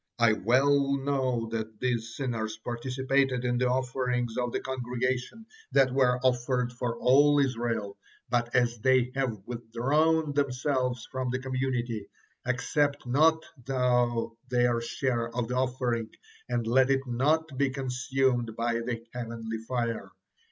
I well know that these sinners participated in the offerings of the congregation that were offered for all Israel, but as they have withdrawn themselves from the community, accept not Thou their share of the offering and let it not be consumed by the heavenly fire.